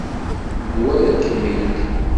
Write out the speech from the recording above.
Nwala-kem-id.